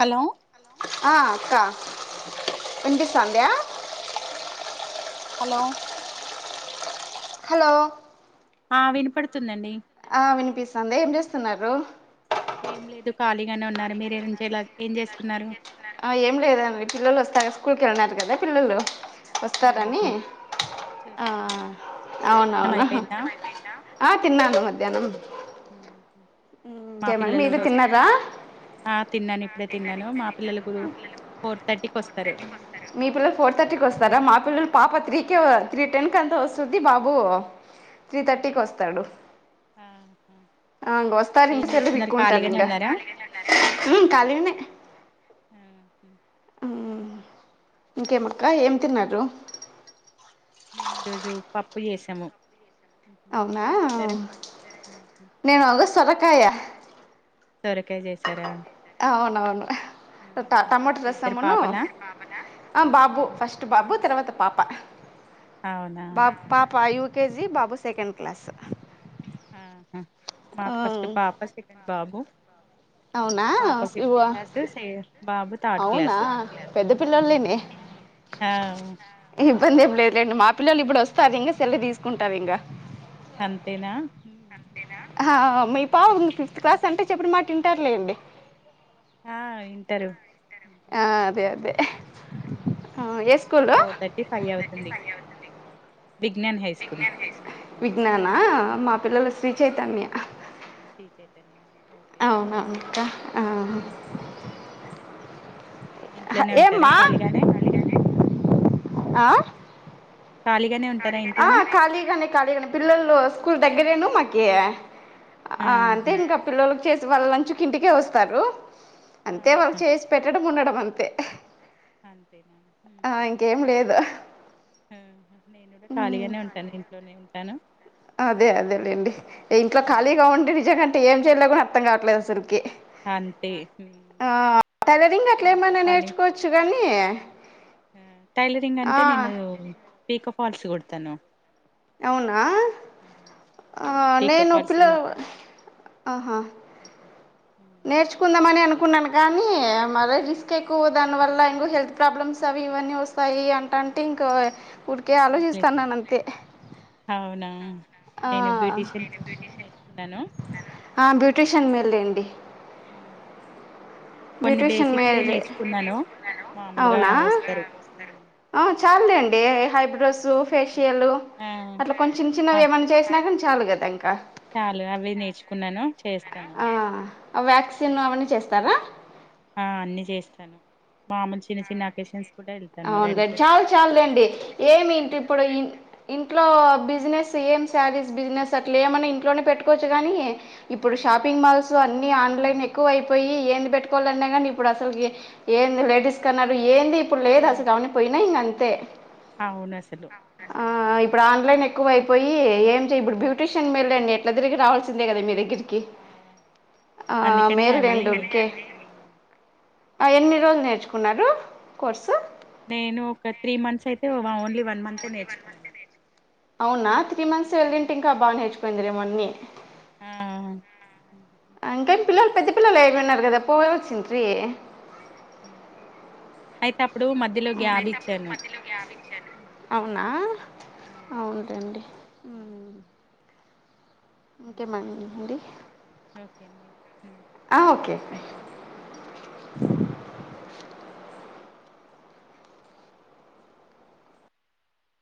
Hello hello ఆ.. అక్క వినిపిస్తోందా హలో హలో ఆ... వినపడుతుందండి ఆ వినిపిస్తంది ఏం చేస్తున్నారు. నేను ఇక్కడ నే ఉన్నాను మీరేమీ చేయలే ఎలాగూ ఏం చేస్తున్నారు ఏం లేదండి పిల్లలు వస్తారు స్కూల్ కెళ్ళినారు కదా పిల్లలు వస్తారని ఆహా ఆ చేస్తున్నారా భోజనం అవునవును అయిపోయిందా ఆ తిన్నాను మధ్యాహ్నం హ మా ఇంకేమన్నా మీరు పిల్లలుకూడా వస్తారు తిన్నారా ఆ తిన్నాను ఇప్పుడే తిన్నాను మా పిల్లలు గుడా ఫోర్త్ తట్టి కి వస్తారు మీ పిల్లలు ఫోర్ థర్టీకి వస్తారా మా పిల్లలు పాప త్రీ కే త్రీ టెన్ కల్లా వస్తుంది బాబు త్రీ థర్టీకి అవునా వస్తాడు ఆహా ఆ ఇంకా వస్తారు ఏం ఇంకా సల్ర చేస్తున్నారు దిక్కుంటారు ఖాళీగానే ఉన్నారా మ్మ్ ఆహా ఖాళీగానే ఆహా ఇంకేముక్క ఎం తిన్నారు మేము ఈరోజు పప్పు చేసాము అవునా మీరేం చేశారు ఉహు నేను ఆగస్టు వరకు కాయా సొరకాయ చేసారా అవునవును ఆహా టమాటో ఇద్దరు రసమును పాపలా బాబు ఫస్ట్ బాబు తర్వాత పాప అ హా అవునా మా పాప యూత్ కేజీ బాబు సెకండ్ క్లాస్ మ్మ్ హ్ ఆ, మాకు ఫస్ట్ పాప సెకండ్ బాబు అవునా పాప ఇవ ఫిఫ్త్ క్లాసు సేమ్ బాబు థర్డ్ అవునా క్లాసు పెద్ద పిల్లలేనే ఆ అవును ఇబ్బంది ఏం లేదులేండి మా పిల్లలు ఇప్పుడు వొస్ అంతేనా ఆ అమ్మాయి పావని ఫిఫ్త్ క్లాస్ అంటే చెప్పిన మాట తింటారు లేండి ఆ వింటరు ఆ అదే అదే ఆ, ఏ స్కూలు ఫోర్ థర్టీ ఫైవ్ అవుతుంది విజ్ఞాన్ హై స్కూల్ విజ్ఞానా మా పిల్లలు శ్రీ చైతన్య హ్ త అవునా అక్క ఆ ఇంట్లనే ఉంటారా ఏమ్మా ఖాళీగానే ఖాళీగానే ఉంటారా ఆ ఇంట్లోనే ఖాళీగానే ఖాళీగానే పిల్లలు స్కూల్ దగ్గ దగ్గరే ను మాకి ఆ అంతే ఆహా ఇంకా పిల్లల చేసి వాళ్ళంచు కి ఇంటికే వస్తారు అంతే వాళ్ళు ఆహా చేసి పెట్టడం ఉండడం అంతే అంతే ఆ ఆ ఇంకేం లేదు నేను ఖాళీగానే ఉంటా ఇంట్లోనే ఉ తను అదే అదేలేండి ఇంట్లో ఖాళీగా హ్మ్. ఉండి నిజంగంటే ప్రతి ఏం చెయలో కూడా అర్థం కావట్లేదు అస్సలు అర్థం కావట్లేదసలు అంతే టైలరింగ్ అట్లా ఇంట్లో ఏమైన్నా పని. నేర్చుకోవచ్చు కానీ ఆ! టైలరింగ్ ఆ అంటే నేను పీకో ఫాల్స్ కుడతాను అవునా హ్మ్. ఆ పీకో నేను ఫాల్స్ పిల్లలు కుడతాను. ఆహా హుహు. హ్మ్. నేర్చుకుందామనే అను అకున్నాను కానీ మల రిస్క్ ఎక్కువ దాని వల్ల ఇంకో హెల్త్ ప్రాబ్లమ్స్ అవి ఇవన్నీ వస్తాయి అంటంటే ఇంకా ఊరికే వదిలేసి ఆలోచిస్తాన్నాను అంతే అవునా! నేను బ్యూటీషియన్ కోర్స్ గూడా నేర్చుకున్నాను. ఆ బ్యూటిషిన్ నేర్చు లేండి హ్మ్. కొన్ని బ్యూటీషియన్ బేసిక్సే మేల్ నేర్చుకున్నాను మామూలుగా వస్తారు చాల్లెండీ ఐబ్రోస్ ఐబ్రోస్ హుహు. ఫేషియల్ ఆ! అట్లా కొంచెం చిన్న ఆ! చిన్నవి ఏమైనా చేసినా చాలు కదా చాలు అవే నేర్చుకున్నాను. చేస్తాను. వ్యాక్సిన్ హ్మ్. అవన్నీ చేస్తారా ఆ అన్ని చేస్తాను మాములు చిన్న చిన్న అకేషన్స్ కూడా వెళ్తాను రెడీ అవున్లే చాలు చేయడానికి చాలు లేండి ఏమి ఇంటి ఇప్పుడు ఇంట్లో బిజినెస్ ఏం శారీస్ బిజినెస్ అట్లా ఏమన్నా ఇంట్లోనే పెట్టుకోవచ్చు కానీ ఆ ఇప్పుడు షాపింగ్ మాల్స్ లో అ ఆన్లైన్ ఎక్కువ అయిపోయి ఏంది పెట్టుకోవాలన్నా కానీ ఇప్పుడు అసలు ఏ లేడీస్ కన్నారు ఏ ఇపులేద అని పోయినాయి ఇంకా అంతే అవునసలు ఎక్కువైపొయ్యి ఏం ఇప్పుడు బ్యూటీషిన్ మేలేండి ఎట్ల దిరిగి రావల్సిందేగదా మీ దెగ్గరికి ఆ ఆ అందుకనే మేల్ అవి రెండు ఓకే హ్మ్. ఆ ఎన్ని హ్మ్. రోజులు నేర్చుకున్నారు కొర్సు నేను ఒక త్రీ మంత్స్ అయితే ఓన్లీ వన్ మంతే నేర్చుకున్నా అవునా త్రీ మంత్స్ వెళ్లింటే ఇంకా బానేచ్ పొయిందరే మన్వి ఆ ఇంకా పిల్లలు పెద్ద పిల్లలు ఐగొనారు గదా పోవాల్సుంటిరి ఊహు యాహ్! అవునా హ్మ్. అవునుటండి హ్మ్. మ్మ్ హ్మ్. ఓకే మ అండి ఓకే అండి మ్మ్ ఆ, ఓకే ఓకే ఉ